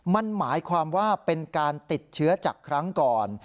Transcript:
มันหมายความว่าเป็นการติดเชื้อจากครั้งก่อน